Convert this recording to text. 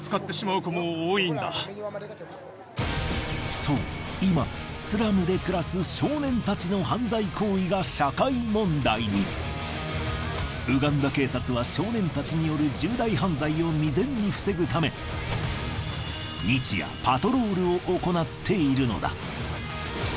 そう今スラムで暮らすウガンダ警察は少年たちによる重大犯罪を未然に防ぐため日夜パトロールを行っているのだ。